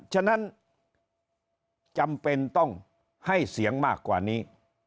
ฉะนั้นจำเป็นต้องให้เสียงมากกว่านี้